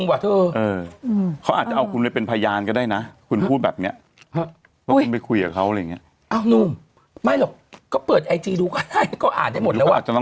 อาจจะต้องเรียกคุณไปเพราะอาจจะ